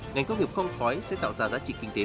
ngành công nghiệp không khói sẽ tạo ra giá trị kinh tế